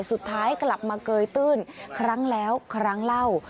สุดท้ายกลับมาเกยตื้นครั้งแล้วครั้งเล่า